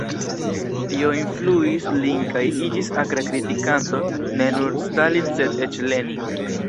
Tio influis lin kaj iĝis akra kritikanto ne nur Stalin sed eĉ Lenin.